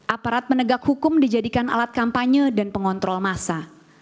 aparat penegak hukum dijadikan alat kampanye dan pengontrol masa